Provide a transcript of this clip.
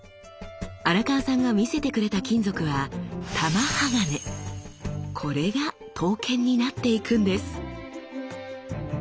荒川さんが見せてくれた金属はこれが刀剣になっていくんです。